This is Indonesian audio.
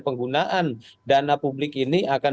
penggunaan dana publik ini akan